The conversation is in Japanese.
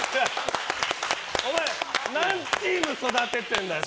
お前何チーム育ててるんだよって。